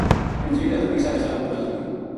انجیل حضٖرت عیسی علیہ السلام اپر نازل ہوئی۔